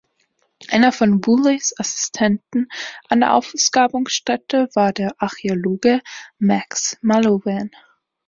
Einer von Woolleys Assistenten an der Ausgrabungsstätte war der Archäologe Max Mallowan.